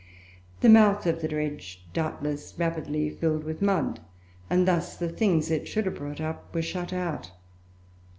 The mouth of the dredge doubtless rapidly filled with mud, and thus the things it should have brought up were shut out.